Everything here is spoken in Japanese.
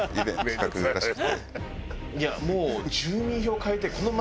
いやもう。